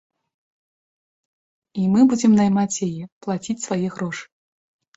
І мы будзем наймаць яе, плаціць свае грошы.